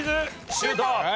シュート！